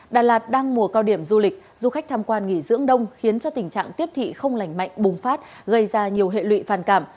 đà lạt đang mùa cao điểm du lịch du khách tham quan nghỉ dưỡng đông khiến cho tình trạng tiếp thị không lành mạnh bùng phát gây ra nhiều hệ lụy phản cảm